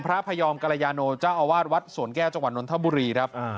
พระพยอมกรยาโนเจ้าอาวาสวัดสวนแก้วจังหวัดนทบุรีครับ